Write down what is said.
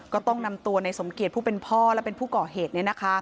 ก็ต้องนำตัวในสมเกียจผู้เป็นพ่อและเป็นผู้ก่อเหตุ